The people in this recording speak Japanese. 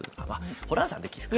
ホランさんはできるか。